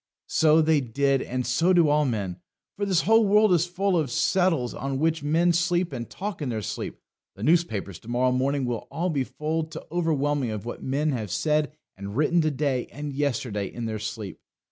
So they did, and so do all men. For this whole world is full of settles on which men sleep and talk in their sleep. The newspapers to morrow morning will all be full to overflowing of what men have said and written to day and yesterday in their sleep.